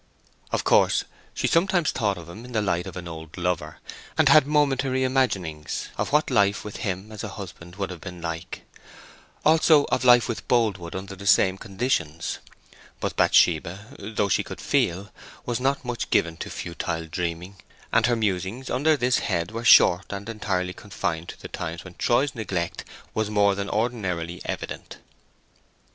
Of course, she sometimes thought of him in the light of an old lover, and had momentary imaginings of what life with him as a husband would have been like; also of life with Boldwood under the same conditions. But Bathsheba, though she could feel, was not much given to futile dreaming, and her musings under this head were short and entirely confined to the times when Troy's neglect was more than ordinarily evident.